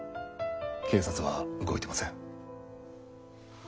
警察は動いてません。